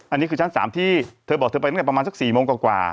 อันนี้คือชั้น๓ที่เธอบอกเธอไปตั้งแต่ประมาณสัก๔โมงกว่า